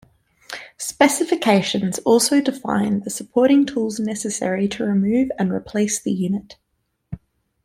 Specifications also define the supporting tools necessary to remove and replace the unit.